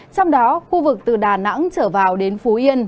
trong đó khu vực từ đà nẵng trở vào đến phú yên